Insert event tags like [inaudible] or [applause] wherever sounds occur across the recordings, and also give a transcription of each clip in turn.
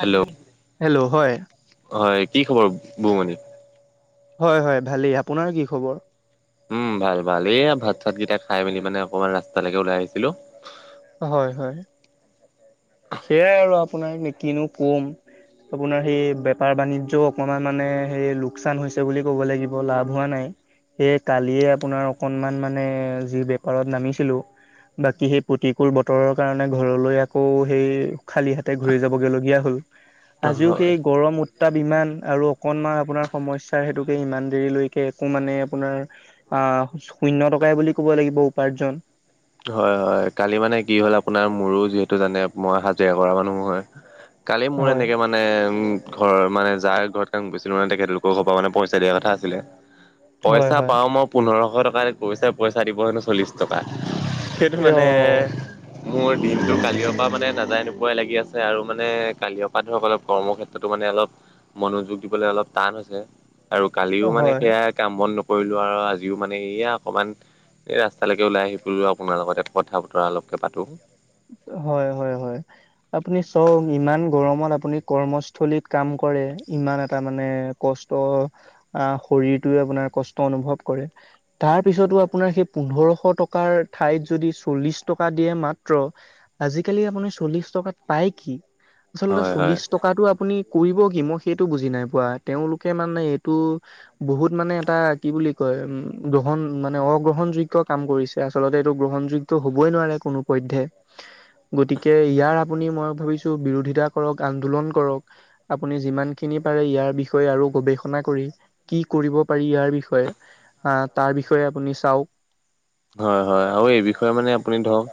Hello! Hello হয়, হয়, কি খবৰ বৌমণি? হয় হয় ভালেই আপোনাৰ কি খবৰ? উম! ভাল ভাল এইয়া ভাত চাতগিটা খাই মেলি মানে অকমান ৰাস্তালেকে ওলাই আহিছিলো। হয় হয়। সেয়াই আৰু আপোনাৰ নিকিনো কম। আপোনাৰ সেই বেপাৰ বাণিজ্যও অকমান মানে সেই লোকচান হৈছে বুলি ক'ব লাগিব লাভ হোৱা নাই। সেইয়ে কালিয়ে আপোনাৰ অকনমান মানে যি বেপাৰত নামিছিলো। বাকী সেই প্ৰতিকূল বতৰৰ কাৰণে ঘৰলৈ আকৌ সেই খালি হাতে ঘূৰি যাবগে লগীয়া হল আজিও হয় হয় সেই গৰমত তাপ ইমান আৰু অকনমান আপোনাৰ সমস্যা সেতুকে ইমান দেৰিলৈকে একো মানে আপোনাৰ আ শূন্য টকাই বুলি ক'ব লাগিব উপাৰ্জন। হয় হয় কালি মানে কি হ'ল আপোনাৰ মোৰো যিহেতু জানে মই হাজিৰা কৰা মানুহ হয়। কালি মোৰ হয় এনেকে মাত নে উম ঘৰ মানে যাৰ ঘৰত কাম কৰিছিলো তেখেতলোকৰ ঘৰ পা মানে পইচা দিয়া কথা আছিলে। হয় পইচা হয় পাও মই পোন্ধৰশ টকা কৈছে পইচা দিব হেনো চল্লিশ টকা। সেইটো অ মানে মোৰ দিনতটো কালিৰ পৰা মানে নাযায় নোপোৱাই লাগি আছ- আৰু মানে কালিৰ পৰা ধৰক অলপ কৰ্মক্ষেত্ৰতো মানে অলপ মনোযোগ দিবলৈ অলপ টান হৈছে আৰু কালিও মানে হয় সেয়াত কাম বন নকৰিলো আৰু আজিও মানে এয়া অকণমান এই ৰাস্তালেকে ওলাই আহিব তোইয়ো আপোনাৰ লগতে কথা বতৰা অলপকে পাতোঁ। হয় হয় হয়। আপুনি চওক ইমান গৰমত আপুনি কৰ্মস্থলীত কাম কৰে ইমান এটা মানে কষ্ট আহ শৰীৰটোৱে আপোনাৰ কষ্ট অনুভৱ কৰে। তাৰপিছতো আপোনাৰ সেই পোন্ধৰশ টকাৰ ঠাইত যদি চল্লিশ টকা দিয়ে মাত ত্ৰ আজি কালি আপুনি চল্লিছ টকাত পাই কি আচলতে হয় হয় চল্লিছ টকাটো আপুনি কৰিব কি মই সেইটো বুজি নাই পোৱা তেওঁলোকে মানে এইটো বহুত মানে এটা কি বুলি কয় উম গ্ৰহণ মানে অগ্ৰহণযোগ্য কাম কৰিছে আচলতে এইটো গ্ৰহণযোগ্য টো হবই নোৱাৰে কোনো পধ্য গতিকে ইয়াৰ আপুনি মই ভাবিছ- বিৰোধিতা কৰক আন্দোলন কৰক আপুনি যিমান খিনি পাৰে ইয়াৰ বিষয়ে আৰু গৱেষণা কৰি কি কৰিব পাৰি ইয়াৰ বিষয়ে আহ তাৰ বিষয়ে আপুনি চাওক হয় হয় আৰু এই বিষয়ে মানে আপুনি ধৰক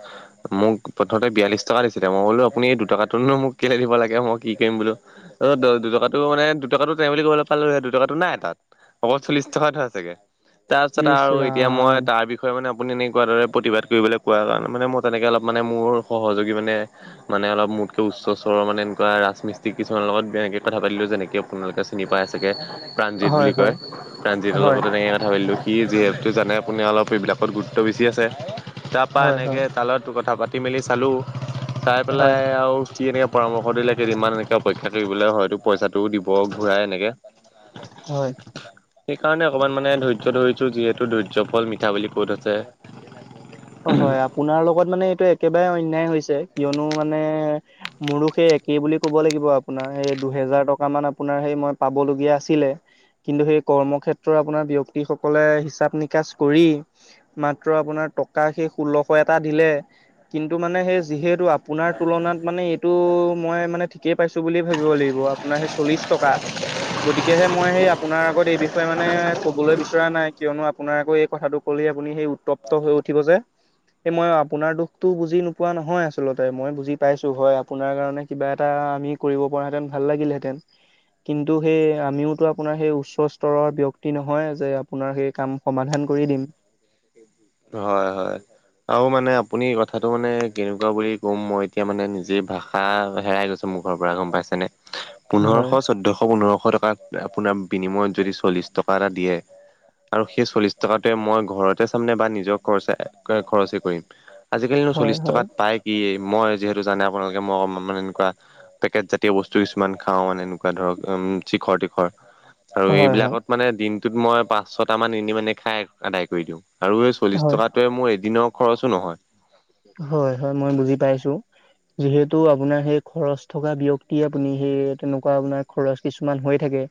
মোক প্ৰথমতে বিয়াল্লিশ টকা দিছিলে মই বোলো আপুনি এই দুটকাটোনো মোক কেলে দিব লাগে মই কি কৰিম বোলো। অ দুটকাটো মানে দুটকাটো তেওঁ বুলি ক'বলৈ পালোহে দুটকাটো নাই তাত অকল চল্লিশ টকা এটা আছেগে তাৰপিছত ইচ আৰু এতিয়া মই ৰাম তাৰ বি বিষয়ে মানে আপুনি এনেকুৱা দৰে প্ৰতিবাদ কৰিবলৈ কোৱাৰ কাৰণে মানে মই তেনেকে অলপ মানে মোৰ সহযোগী মানে মানে অলপ মোকে উচ্চ চৰৰ মানে সেনেকুৱা ৰাজমিস্ত্ৰী কিছুমানৰ লগত তেনেকে কথা পাতিলো যেনেকে আপোনালোকে। চিনি পাই চাগে। প্ৰাণজিত হয় বুলি হয় কয় প্ৰাণজিতৰ লগত হয় তেনেকৈ কথা পাতিলোঁ সি যিহেতু জানে আপুনি অলপ এইবিলাকত গুৰুত্ব বেছি আছে তাৰপৰা হয় এনেকে হয় তালত কথা পাতি মেলি চালোঁ ঢিঢিঢিঢি চাই হয় পেলাই আৰু কি এনেকে পৰামৰ্শ দিলে কেইদিনমান এনেকে অপেক্ষা কৰিবলে হয়তটো পইচাটোও দিব। প ঘূৰাই এনেকে। হয় সেইকাৰণে অকমান মানে ধৈৰ্য্য ধৰিছো যিহেতু ধৈৰ্য্যৰ ফল মিঠা বুলি ক'ত আছে। অ হয় আপোনাৰ লগত মানে এইটো একেবাৰে অন্যায় হৈছে কিয়নো মানে মোৰো সেই একেই বুলি ক'ব লাগিব আপোনাৰ সেই দুহেজাৰ টকা মান আপোনাৰ সেই মই পাব লগীয়া আছিলে। কিন্তু সেই কৰ্মক্ষেত্ৰৰ আপোনাৰ ব্যক্তিসকলে হিচাপ নিকাচ কৰি মাত্ৰ আপোনাৰ টকা সেই ষোল্লশ এটা দিলে। কিন্তু মানে সেই যিহেতু আপোনাৰ তুলনাত মানে এইটো মই মানে ঠিকেই পাইছো বুলিয়ে ভাবিব লাগিব। আপোনাৰহে চল্লিশ টকা। গতিকেহে মই সেই আপোনাৰ আগত এই বিষয়ে মানে কবলৈ বিচৰা নাই কিয়নো আপোনাৰ আকৌ এই কথাটো। কলে আপুনি সেই উত্তপ্ত হৈ উঠিব যে। এই মই আপোনাৰ দুখতো বুজি নোপোৱা নহয় আচলতে মই বুজি পাইছো হয় আপোনাৰ কাৰণে কিবা এটা আমি কৰিব পৰা হেঁতেন ভাল লাগিলহেঁতেন। কিন্তু সেই আমিওতো আপোনাৰ সেই উচ্চ স্তৰৰ ব্যক্তি নহয় যে আপোনাৰ সেই কাম সমাধান কৰি দিম। হয় হয় আৰু মানে আপুনি বাক কথাটো মানে কেনেকুৱা বুলি ক'ম মই এতিয়া মানে নিজে ভাষা হেৰাই গৈছো মুখৰ পৰা গম পাইছেনে। পোন্ধৰশ হয় চৈধ্যশ পোন্ধৰশ টকা আপোনাৰ বিনিয়ত যদি চল্লিশ টকা এটা দিয়ে পু। আৰু সেই চল্লিশ টকাটোৱে মই ঘৰতে চামনে বা নিজৰ খৰচাই এ এ কৈ খৰচেই কৰিম। আজিকালি ন হয় চল্লিছ হয় টকাত পাই কি? কি মই যিহেতু জানে আপোনালোকে মই অকমান মানে এনেকুৱা পেকেট জাতীয় বস্তু কিছুমান খাওঁ এনেকুৱা ধৰক আ উম উম চিখৰ-তিখৰ। আৰু হয় এইবিলাকত মানে দিনটোত মই পাঁচ ছটা মান এনেও এনে মানে খাই আদায় কৰি দিওঁ। আৰু এই চল্লিছ হয় হয় টকাটোৱে মোৰ এদিনৰ খৰচো নহয়। হয় হয়, মই বুজি পাইছো। যিহেতু আপোনাৰ সেই খৰচ থকা ব্যক্তি আপুনি সেই তেনেকুৱা আপোনাৰ খৰচ কিছুমান হৈ থাকে।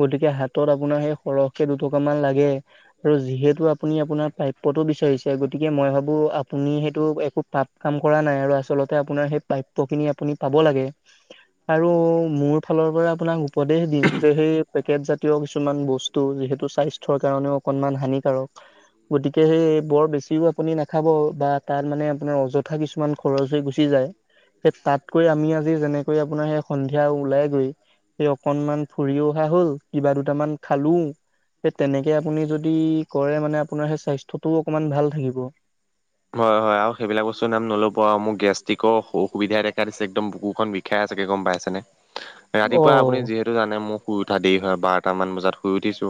গতিকে হাতত আপোনাৰ সেই সৰহকে দু-টকা মান লাগে আৰু যিহেতু আপুনি আপোনাৰ প্ৰাপ্যটো বিচাৰিছে গতিকে মই ভাবোঁ আপুনি সেইটো একো পাপ কাম কৰা নাই আৰু আচলতে আপোনাৰ সেই প্ৰাপ প খিনি আপুনি পাব লাগে। কিয়া আৰু মোৰ ফালৰ পৰা আপোনাক উপদেশ দিম যে সেই পেকেট জাতীয় কিছুমান বস্তু টো যিহেতু স্বাস্থ্যৰ কাৰণেও অকনমান হানিকাৰক। গতিকে বৰ বেছিও আপুনি নাখাব বা তাত মানে আপোনাৰ অযথা কিছুমান খৰচ হৈ গুচি যায়। সে তাতকৈ আমি আজি যেনেকৈ আপোনাৰ সেই সন্ধিয়া ওলাই গৈ সেই অকনমান ফুৰিও অহা হল কিবা দুটামান খালো। এ তেনেকে আপুনি যদি কৰে মানে আপোনাৰ সেই স্বাস্থ্যটোও অকমান ভাল থাকিব। হয় হয়, আৰু সেইবিলাক বস্তু নাম নল'ব আৰু মোক গেষ্টিকৰ অসু অসুবিধাই দেখা দিছে একদম বুকুখন বি খায়েই চাগে গম পাইছে নে ৰাতিপুৱা আপুনি অ' যিহেতু তো জানে মোৰ শুই উঠা দেৰি হয় বাৰটা মান বজাত শুই উঠিছো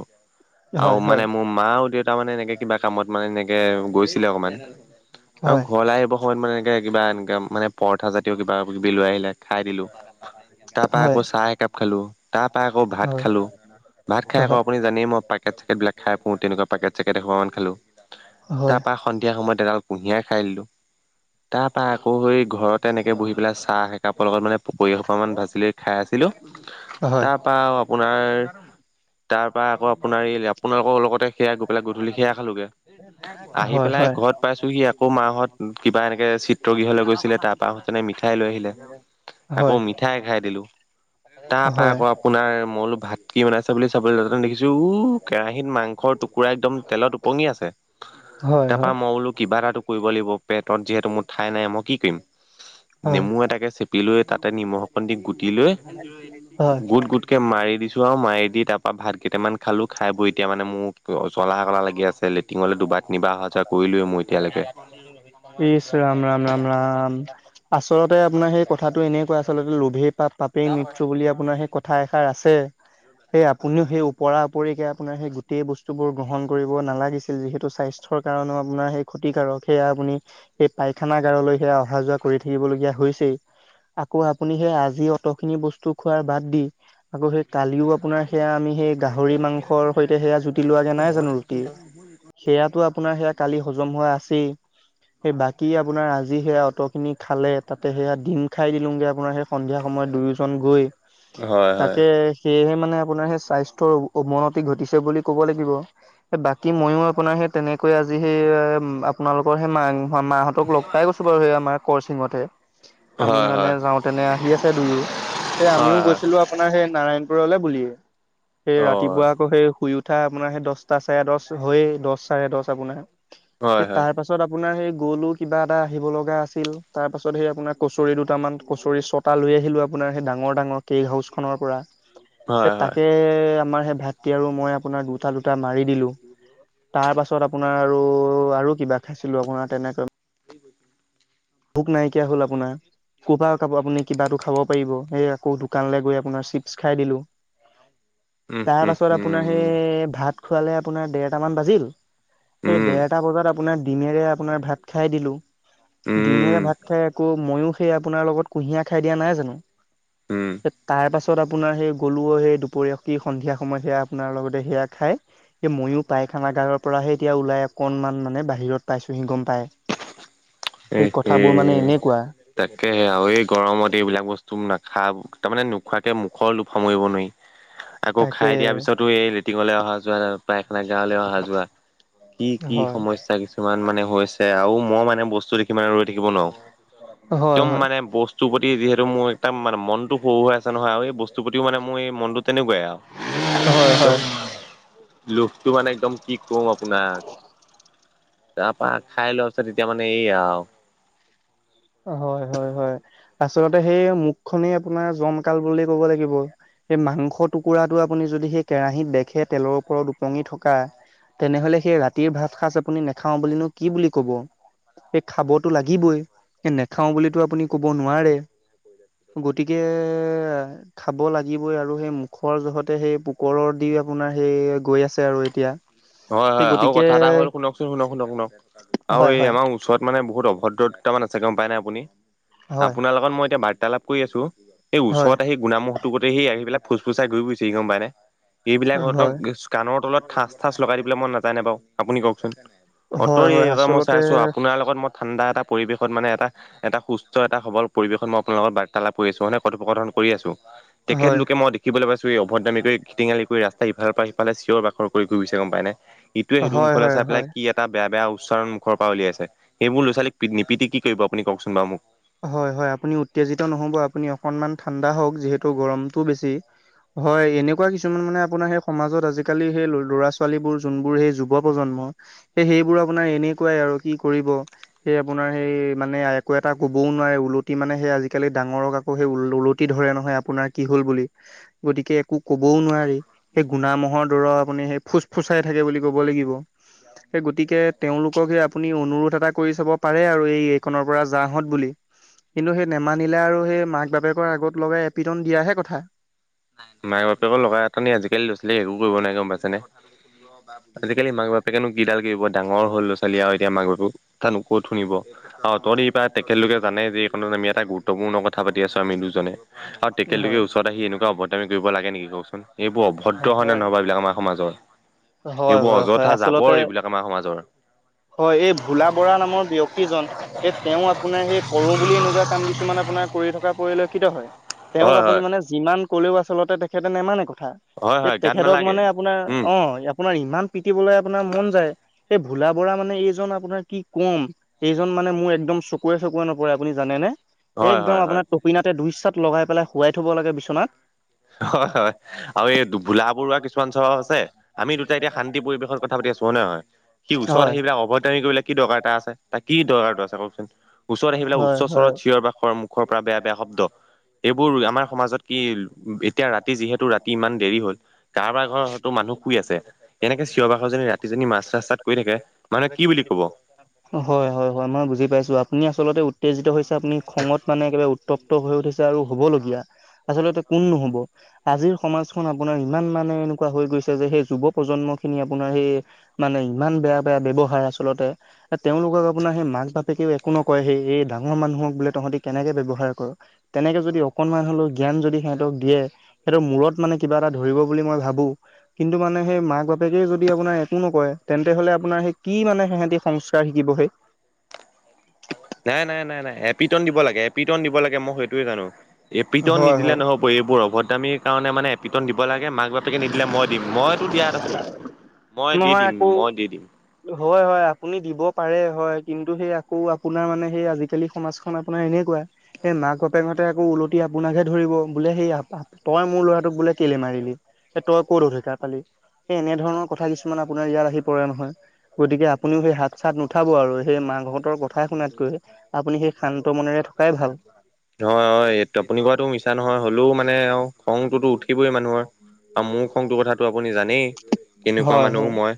আৰু হয় মানে হয় মোৰ মা উঠি তাৰমানে এনেকে কিবা কামত মানে এনেকে গৈছিলে অকমান আৰু হয়। ঘৰলৈ আহিব। ঘৰত মানে এনেকে কিবা এনেকে মানে পৰঠা জাতীয় কিবা-কিবি লৈ আহিলে খাই দিলো। তাৰপৰা হয় আকৌ চাহ একাপ খালোঁ তাৰপৰা আকৌ হয় ভাত হয়। খালোঁ। ভাত খাই আকৌ আপুনি জানেই মই পেকেট-চেকেট বিলাক খাই ফুল তেনেকুৱা। পেকেট-চেকেট এখন খালো হয় তাৰপৰা সন্ধিয়া সময়ত এডাল কুঁহিয়াই খাই দিলো। তাৰপৰা আকৌ সেই ঘৰতে এনেকে বহি পেলাই চাহ একাপৰ লগত মানে পকৰী অকমান ভাজি লৈ খাই আছিলোঁ। হয় হয় তাৰপা আপোনাৰ, তাৰ পৰা আকৌ আপোনাৰ এই আপোনালোকৰ লগতে গৈ সেয়া পেলাই গধূলি সেয়া খালোগে, আহি হয় হয় পেলাই ঘৰত পাইছোঁহি আ মাহত কিবা এনেকে চিত্ৰগৃহলৈ গৈছিলে তাৰপা মিঠাই লৈ আহিলে। আকৌ হয় মিঠাই খাই দিলোঁ। তাৰ হয় পৰা ক আপোনাৰ মই বোলোঁ ভাত কি বনাইছা বুলি চাবলৈ তাতে দেখিছোঁ উ কেৰাহিত মাংস টুকুৰা একদম তেলত উপঙি আছে, হয় তাৰ পৰা মই বোলোঁ কিবা এটা কৰিব লাগিব পেটত যিহেতু মোৰ ঠাই নাই মই কি কৰিম। হয় নেমু এটাকে চেপি লৈ তাতে নিমখ অকন দি গুটি লৈ, হয় গুট-গুট মাৰি দিছোঁ আৰু মাৰি দি তাৰ পৰাা ভাত কেইটামান খালোঁ খাই বৈ এতিয়া মানে মো অ', জ'লা ক'লা লাগি আছে লেত্ৰিনৰলৈ দুবাৰ তিনিবাৰ অহা যোৱা কৰিলোয়ে মই এতিয়ালৈকে। ইছ ৰাম-ৰাম-ৰাম-ৰাম। আচলতে আপোনাৰ সেই কথাটো এনেকুৱা আচলতে লোভে পাপ-পাপ এই মৃত্য বুলি আপোনাৰ সেই কথা এষাৰ আছে। আপুনিও সেই ওপৰা ওৰিকে আপোনাৰ সেই গোটেই বস্তু বোৰ গ্ৰহণ কৰিব নালাগিছিল যিহেতু স্বাস্থ্যৰ কাৰণেও আপোনাৰ সেই ক্ষতিকাৰক সেয়া আপুনি এই পায়খানা গাৰলৈ সেয়া অহা যোৱা কৰি থাকিব লগীয়া হৈছেই। আকৌ আপুনি সেই আজি অট খিনি বস্তু খোৱাৰ বাদ দি, আকৌ সেই কালিও আপোনাৰ সেয়া আমি সেই গাহৰি মাংসৰ সৈতে হেয়া জুতি লোৱাগে নাই জানো ৰুটিৰ? সেয়াাটো আপোনাৰ সেয়া কালি হজম হোৱা আছেই। সেই বাকী আপোনাৰ আজি সেয়া অট' খিনি খালে তাতে সেয়া দিম খাই দিলোংগে আপোনাৰ সেই সন্ধিয়া সময়ত দুয়োজন গৈ, হয় হয় তাকে সেয়েহে মানে আপোনাৰ সেই স্বাস্থ্যৰ অৱনতি ঘটিছে বুলি ক'ব লাগিব বাকী ময়ো আপোনাৰ সেই তেনেকৈ আজি সেই আপোনালোকৰ সেই মা মাহতক লগ পাই গৈছোঁ বাৰু সেই আমাৰ কৰচিঙতে। আমি হয় মানে হয় যাওঁতেনে আহি আছে দুয়ো, হে আমিও হয় হয় গৈছিলোঁ আপোনাৰ সে নাৰায়ণপুৰলে বুলিয়ে। সেই অ ৰাতিপুৱা আকৌ সে আপোনাৰ সেই দহ চাৰে দহ হৈয়ে দহ চাৰে দহ আপোনাৰ, হয় সেই হয় তাৰ পাছত ত পাছত আপোনাৰ সেই গলো কিবা এটা আহিব লগা আছিল, তাৰ পাছত সেই আপোনাৰ কচৰি দুটামান কচৰি চট লৈ আহিলোঁ আপোনাৰ সেই ডাঙৰ-ডাঙৰ কেক হাউচখনৰ পৰা। হয় হয় তাকে আমাৰ সেই ভাতটি আৰু মই আপোনাৰ দুটা-দুটা মাৰি দিলোঁ। তাৰ পাছত আপোনাৰ আৰু-আৰু কিবা খাইছিলোঁ আপোনাৰ তেনেকৈ [unintelligible] ভোক নাইকিয়া হ'ল আপোনাৰ। কবা ক আপুনি কিবাটো খাব পাৰিব? সেই আকৌ দোকানলৈ গৈ আপোনাৰ চিপচ খাই দিলোঁ, উম উম তাৰপাছত আপোনাৰ উম সেই ভাত খোৱালে আপোনাৰ ডেৰটামান বাজিল, সেই উম ডেৰটা বজাত আপোনাৰ ডিমেৰে আপোনাৰ ভাত খাই দিলোঁ। ডিমেৰে উম ভাত খাই আকৌ ম‌ইয়ো সেই আপোনাৰ লগত কুঁহিয়াৰ খাই দিয়া নাই জানো? উম। তাৰ পাছত আপোনাৰ সেই গলোঁ সেই দুপৰীয়া সেই সন্ধিয়া সময়ত সেয়া আপোনাৰ লগতে সেয়া খাই। এই মইয়ো পায় খানাগাৰৰ পৰাহে এতিয়া ওলাই অকণমান মানে বাহিৰত পাইছোহি গম পায়। এ সেই এনেকুৱা তাকে, আমি গৰমত এইবিলাক বস্তু নাখাব তাৰমানে নোখোৱাকে মুখৰ লোভ সামৰিব নোৱাৰি। আকৌ তাকে খাই দিয়াৰ পিছতো এই লেটিঙলৈ অহা যোৱোৱা গাঁৱলৈ অহা যোৱা, কি-কি হয় সময় সমস্যা কিছুমান মানে হৈছে। আৰু মই মানে বস্তু সিমানে ৰৈ থাকিব নোৱাৰো। হয় একদম হয় মানে বস্তু বস্তুৰ প্ৰতি যিহেতু মোৰ একদম মানে মনটো হুৰ শৰাই আছে নহয় আৰু এই বস্তুৰ প্ৰতিও মানে মোৰ মনটো তেনেকুৱাই আৰু। একদম হয়-হয়। লোভটো মানে একদম কি কম আপোনাক। তাৰাপা খাই লোৱা পাছত এতিয়া মানে এই আও। হয় হয় হয়, আচলতে সেই মুখ খনেই আপোনাৰ জমকাল বুলি ক'ব লাগিব। সেই মাংস টুকুৰাটো আপুনি যদি সেই কেৰাহীত দেখে তেলৰ ওপৰত ওপঙি থকা। তেনেহলে সেই ৰাতিৰ ভাত সাঁজ আপুনি নেখাওঁ বুলিনো কি বুলি কব। সেই খাবতো লাগিবই সে নেখাও বুলিতো আপুনি কব নোৱাৰে। গতিকে এ। খাব লাগিবই আৰু সেই মুখৰ জহতে সেই পোকৰ দি আপোনাৰ সেই গৈ আছে আৰু এতিয়া। হয় সেই হয় আৰু গতিকে কথা এটা হ'ল শুনকচোন শুনক শুনক শুনক আৰু হয় এই হয় আমাৰ। ওচৰত মানে বহুত অভদ্ৰ দুটা তামান আছে গম পাই নাই আপুনি হয় আপোনাৰ লগত মই এতিয়া বাৰ্তালাপ। কৰি আছো সেই হয় ওচৰত সেই গুণামোহটো গোতে সেই আহি পেলাই ফুচফুচাই ঘুই ফুইছে সি গম পায় নাই। এইবিলাক সহঁতক হয় কাণৰ তলত ঠাঁচ ঠাঁচ লগাই দিবলৈ মই নাজাইনে নে বাৰু আপুনি কওকচোন। হয় অঁতৰি হয় এই মই চাই আচলতে আছো আপোনাৰ লগত মই ঠাণ্ডা এটা পৰিৱেশত মানে এটা। এটা সুস্থ এটা সবল পৰিৱেশত মই আপোনাৰ লগত বাৰ্তালাপ কৰি আছো মানে কথোপকথন কৰি আছো। হয় তেখেতলোকে মই দেখিবলৈ পাইছো এই অভদামী কৰি খটিঙালি কৰি ৰাস্তা ইফালৰ পৰা সিফালে চিঞৰ বাখৰ কৰি। ঘূৰি গৈছে গম পাই নে ইটোয়ে সিটো হয় মুখলৈ হয় চাই হয় পেলাই কি। এটা বেয়া বেয়া উচ্চাৰণ মুখৰ পৰা উলাইছে সেইবোৰ ল'ৰা-ছোৱালীক নিপিতি কি কৰিব আপুনি কওকচোন বাৰু মোক। হয় হয় আপুনি উত্তেজিত নহ'ব আপুনি অকনমান ঠাণ্ডা হওক যিহেতু গৰমটো বেছি। হয় এনেকুৱা কিছুমান মানে আপোনাৰ সেই সমাজত আজিকালি সেই ল'ৰা ছোৱালীবোৰ যোনবোৰ সেই যুৱ প্ৰজন্ম। সেই সেইবোৰ আপোনাৰ এনেকুৱাই আৰু কি কৰিব স আপোনাৰ সেই মানে একো এটা- ক'বও নোৱাৰে ওলটি মানে সেই আজিকালি ডাঙৰক আকৌ সেই ওলটি ধৰে নহয় আপোনাৰ কি হ'ল বুলি। গতিকে একো ক'বও নোৱাৰি। সেই গুনা ম মহৰ দৰ আপুনি সেই ফুচ ফুচাই থাকে বুলি ক'ব লাগিব। সে গতিকে তেওঁলোক সে আপুনি অনুৰোধ এটা কৰি চাব পাৰে আৰু এই এইখনৰ পৰা যাহত। বুলি। কিন্তু সেই নেমানিলে আৰু সেই মাক বাপেকৰ আগত লগাই এপিটন দিয়াহে কথা। মাকে বাপেকো লগাই এটানি আজিকালি ল'ৰা ছোৱালীক একো কৰিব নোৱাৰে গম পাইছে নে। আজিকালি মাক বাপেকেনো কিডাল কৰিব ডাঙৰ হ'ল ল'ৰা ছোৱালী আৰু এতিয়া মাক বাপেকো। কথা নু কত শুনিব আৰু তঁতৰ এই পৰা তেখেতলোকে জানে যে এইখনত আমি এটা গু- তমু ন কথা পাতি আছো আমি দুজনে আৰু হয়, হয়, টেকেলটোকে ওচৰত আহি এনেকুৱা অভদদামি কৰিব লাগে নেকি কওকচোন। এইবোৰ অভদ্ৰ হয়নে হয়, নহয় বাও এইবিলাক আমাৰ সমাজত। হ'য়, হ'য় হ'য়। আচলতে সমাজৰ হ'য়, এই ভোলা বড়া নামৰ ব্যয়ক্তিজন এ তেওঁ আপোনাৰ সেই কৰোঁ বুলি এনেকুৱা কাম কিছুমান আপোনাৰ কৰি থকা পৰিলক্ষিত হ'য়। তেওঁক হয় আপুনি হয় মানে যিমান ক'লেও আচলতে তেখেতে নেমানে কথা। হয় এ হয় গাত তেখেতক নালাগে মানে আপোনাৰ উম অঁ, আপোনাৰ ইমান পিটিবলে আপোনাৰ মন যায়। এই ভোলা বড়া মানে এইজন আপোনাৰ কি কম। এইজন মানে মোৰ একদম চকুুৱে চকুৱে নপৰে আপুনি জানেনে? হয় একদম হয় হয় আপোনাৰ টপিনাতে দুইচাত লগাই পেলাই শুৱাই থ'ব লাগে বিছনাত। হ'য়, হ'য় আৰু এই দু ভোলা বৰুৱা কিছুমান স্বভাৱ আছে। আমি দুটাই এতিয়া শান্তি পৰিৱেশৰ কথা পাতি আছোঁ, হ'য় নহয়? সি হয়। ওচৰত আহিপেলাই অভদ্ৰামি কৰিবলে কি দৰকাৰ তাৰ আছে। তাৰ কি দৰকাৰটো আছে কওঁকচোন? ওচৰত আহিপেলাই হয়, হয়, উচ্চস্তৰত চি চিঞৰ বাখৰ মুখৰ পৰা বেয়া বেয়া শব্দ এইবোৰ আমাৰ সমাজত কি এতিয়া ৰাতি যিহেতু ৰাতি ইমান দেৰি হ'ল। কাৰোবাৰ ঘৰত টো মানুহ শুই আছে। এনেকে চিঞৰ -বাখৰ যদি ৰাতি যদি মাজ ৰাস্তাত কৰি থাকে। মানুহে কি বুলি ক'ব? হ'য়, হ'য় হ'য় মই বুজি পাইছোঁ। আপুনি আচলতে উত্তেজিত হৈছে। আপুনি খঙত মানে একেবাৰে উত উত্তপ্ত হৈ উঠিছে আৰু হ'বলগীয়া। আচলতে কোন নহ'ব। আজিৰ সমাজখন আপোনাৰ ইমান মানে এনেকুৱা হৈ গৈছ্- ছে যে সেই যুৱ প্ৰজন্মখিনি আপোনাৰ সেই মানে, ইমান বেয়া বেয়া ব্যৱহাৰ। আচলতে তেওঁলোকক আপোনাৰ সেই মাক-বাপ কেও একো নকয়। হেৰি এই ডাঙৰ মানুহক বোলে তহঁতি কেনেকে ব্যৱহাৰ কৰ তেনেকে যদি অকণমান হ'লেও জ্ঞান যদি সিহঁতক দিয়ে। সেইটোৰ মূৰত মানে কিবা এটা ধৰিব বুলি মই ভাৱো। কিন্তু মানে সেই মাক বাপেকেই যদি আপোনাৰ একো নকয়। তেন্তে হ'লে আপোনাৰ সেই কি মানে সিহঁতি সংস্ স্কাৰ শিকিব হেই। নাই, নাই নাই নাই এপিটন দিব লাগে। এপিটন দিব লাগে মই সেইটোয়ে জানোঁ। এপিটন হয় নিদিলে হয়। নহ'ব। এইবোৰ অভদ্ৰামীৰ কাৰণে মানে এপিটন দিব লাগে। মাক -বাপেকে নিদিলে মই দিম, মইটো দিয়াত আছোঁ। মই দি নহয় দিম, আকৌ মই দি দিম। হ'য়, হ'য় আপুনি দিব পাৰে হ'য় কিন্তু সেই আকৌ আপোনাৰ মানে সেই আজি-কালি সমাজখন আপোনাৰ এনেকুৱা হে মাক - বাপেকহঁতে আকৌ উওলটি আপোনাকহে ধৰিব বোলে সেই আ তই মোৰ ল'ৰাটোক বোলে কেলে মাৰিলি। এ তই ক'ত অধিকাৰ পালি। এই এনেধৰণৰ কথা কিছুমান আপোনাৰ ইয়াত আহি পৰে নহয়। গতিকে, আপুনিও সেই হাত -চাত নুঠাব আৰু সেই মাকহঁতৰ কথা শুনাতকৈ আপুনি সেই শান্ত মনেৰে থকাই ভাল। হ'য়, হ'য় এইটো আপুনি কোৱাটো মিছা নহয়, হ'লেও মানে আও খংতোটো উঠি উঠিবই মানুহৰ আৰু মোৰ খংটো কথাটো আপুনি জানেই? কেনেকুৱা হয় মানুহ হয়। মই।